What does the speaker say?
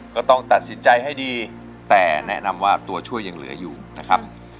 ก็ต้องตัดสินใจให้ดีแต่แนะนำว่าตัวช่วยยังเหลืออยู่นะครับ